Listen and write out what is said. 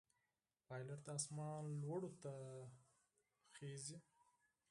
پیلوټ د آسمان لوړو ته خېژي.